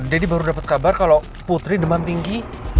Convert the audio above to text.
daddy baru dapet kabar kalo putri demam tinggi